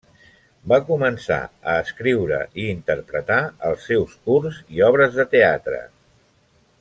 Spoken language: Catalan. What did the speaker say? Va començar a escriure i interpretar els seus curts i obres de teatre.